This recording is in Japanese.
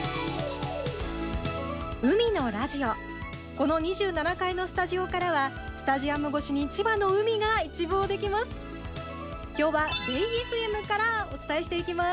この２７階のスタジオからはスタジアム越しに千葉の海が一望できます。